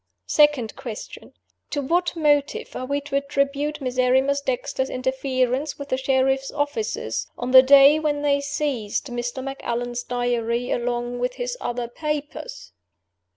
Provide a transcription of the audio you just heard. "Second Question: To what motive are we to attribute Miserrimus Dexter's interference with the sheriff's officers, on the day when they seized Mr. Macallan's Diary along with his other papers?